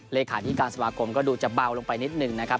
เลขาธิการสมาคมก็ดูจะเบาลงไปนิดหนึ่งนะครับ